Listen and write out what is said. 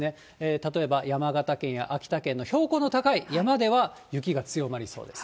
例えば山形県や秋田県の標高の高い山では、雪が強まりそうです。